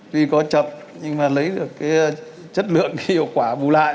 tuy có chậm nhưng mà lấy được cái chất lượng hiệu quả bù lại